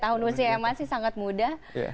dua puluh tiga tahun usia yang masih sangat muda